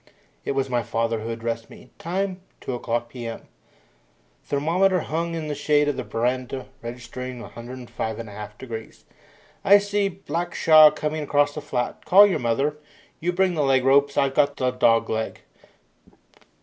It was my father who addressed me. Time, 2 o'clock p.m. Thermometer hung in the shade of the veranda registering 105 1/2 degrees. "I see Blackshaw coming across the flat. Call your mother. You bring the leg ropes I've got the dog leg.